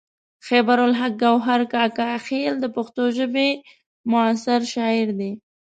خیبر الحق ګوهر کاکا خیل د پښتو ژبې معاصر شاعر دی.